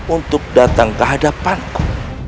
untuk datang kehadapanku